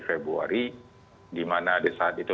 februari dimana saat itu